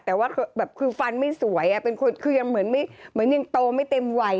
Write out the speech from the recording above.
แต่ว่ายังคือฟันไม่สวยคือยังเหมือนโตไม่เต็มไหว